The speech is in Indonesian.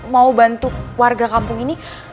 mau bantu warga kampung ini